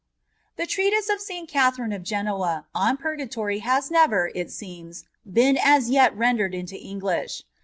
The Treatise of St. Catherine of Genoa on Purgatory has never, it seems^ been as yet ren dered into Englisb.